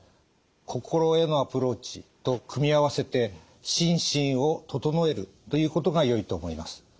心へのアプローチと組み合わせて心身を整えるということがよいと思います。